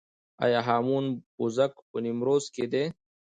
آیا هامون پوزک په نیمروز کې دی؟